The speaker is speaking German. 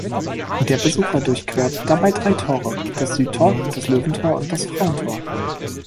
Der Besucher durchquert dabei drei Tore: das "Südtor", das "Löwentor" und das "Frauentor".